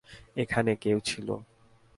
এখানে কেউ ছিল।